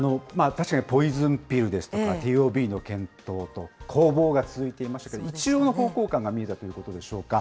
確かにポイズンピルですとか、ＴＯＢの検討と、攻防が続いていますけど、一応の方向感が見えたということでしょうか。